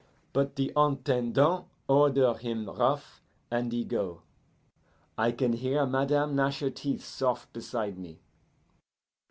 But the Intendant order him rough, and he go. I can hear madame gnash her teeth sof' beside me.